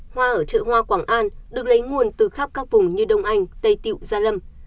hoa ở chợ hoa quảng an được lấy nguồn từ khắp các vùng như đông anh tây tiệu gia lâm